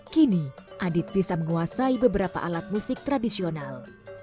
kini adit bisa menguasai beberapa alat musik tradisional